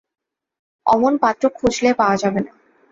অমন পাত্র খুঁজলে পাওয়া যাবে না।